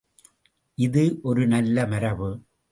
இது ஒரு நல்ல மரபு.